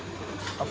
あっ。